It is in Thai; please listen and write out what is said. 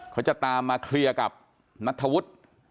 เขาจะตามมาเคลียร์กับนัทธวุฒิ